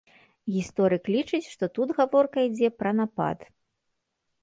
Гісторык лічыць, што тут гаворка ідзе пра напад.